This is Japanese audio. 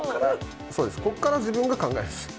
ここから自分が考える。